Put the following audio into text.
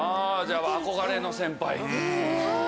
じゃ憧れの先輩。